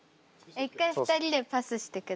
一回２人でパスしてください。